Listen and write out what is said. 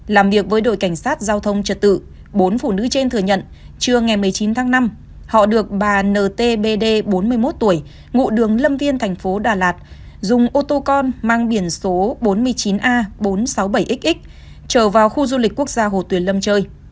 làm việc với đội cảnh sát giao thông trật tự bốn phụ nữ trên thừa nhận trưa ngày một mươi chín tháng năm họ được bà ntbd bốn mươi một tuổi ngụ đường lâm viên thành phố đà lạt dùng ô tô con mang biển số bốn mươi chín a bốn trăm sáu mươi bảy xx trở vào khu du lịch quốc gia hồ tuyền lâm chơi